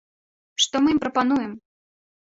Што мы ім прапануем?